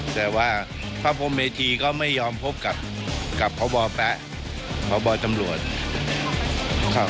แต่ว่าพระพรมเมธีก็ไม่ยอมพบกับพระบอบแปะพระบอบตำรวจ